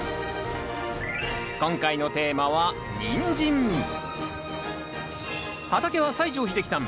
今回のテーマは畑は西城秀樹さん